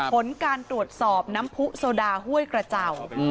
ผลการตรวจสอบน้ำผู้โซดาห้วยกระเจ้า